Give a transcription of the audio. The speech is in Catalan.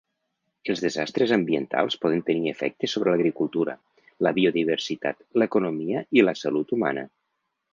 Els desastres ambientals poden tenir efectes sobre l'agricultura, la biodiversitat, l'economia i la salut humana.